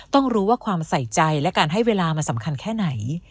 ต้องรู้ว่าความใส่ใจและการให้เวลามันสำคัญแค่ไหน